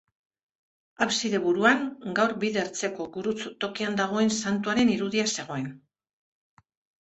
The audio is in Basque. Abside buruan, gaur bide-ertzeko gurutz-tokian dagoen Santuaren irudia zegoen.